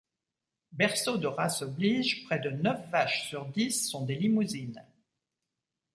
Berceau de race oblige, près de neuf vaches sur dix sont des limousines.